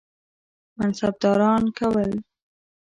منصبداران کول.